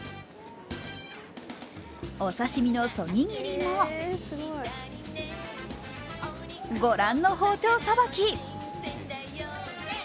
お刺身のそぎ切りもご覧の包丁さばき。